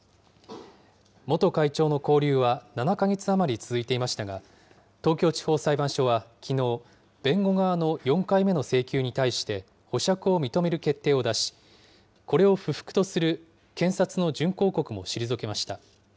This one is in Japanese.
元会長の勾留は７か月余り続いていましたが、東京地方裁判所はきのう、弁護側の４回目の請求に対して、保釈を認める決定を出し、これを不服とする検察の準抗告も退けました。